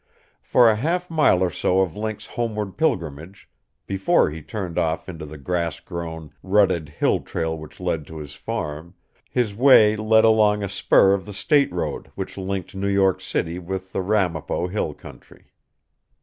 For a half mile or so of Link's homeward pilgrimage before he turned off into the grass grown, rutted hill trail which led to his farm his way led along a spur of the state road which linked New York City with the Ramapo hill country.